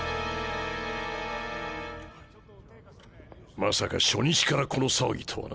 まさか初日からこの騒ぎとはな。